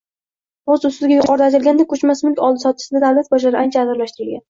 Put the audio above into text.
Boz ustiga yuqorida aytilganidek, koʻchmas mulk oldi-sotdisida davlat bojlari ancha arzonlashtirilgan.